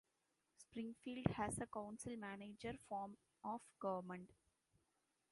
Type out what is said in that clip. Springfield has a council-manager form of government.